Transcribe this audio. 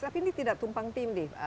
tapi ini tidak tumpang tim div